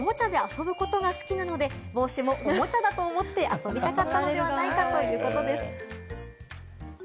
飼い主さんによると、プティちゃんはおもちゃで遊ぶことが好きなので、帽子もおもちゃだと思って遊びたかったのではないかということです。